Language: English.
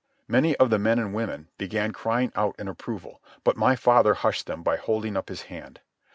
Many of the men and women began crying out in approval, but my father hushed them by holding up his hand.